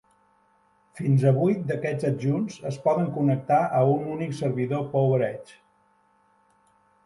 Fins a vuit d'aquests adjunts es poden connectar a un únic servidor PowerEdge.